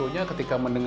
oh kenalan dong